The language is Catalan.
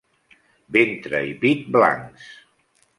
Ventre i pit blancs.